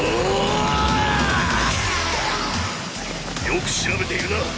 よく調べているな！